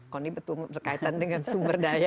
kony betul berkaitan dengan sumber daya